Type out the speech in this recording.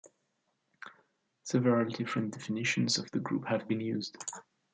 Several different definitions of the group have been used.